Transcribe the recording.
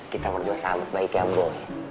kita berdua sama baiknya boy